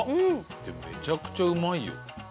めちゃくちゃうまいよ。